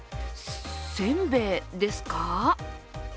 せんべいですか？